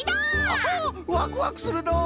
アハワクワクするのう！